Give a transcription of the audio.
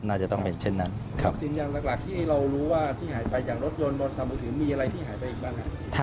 น่าจะต้องเป็นเช่นนั้นสิ่งอย่างหลักที่เรารู้ว่าที่หายไปจากรถยนต์บนสามมือถือมีอะไรที่หายไปอีกบ้างครับ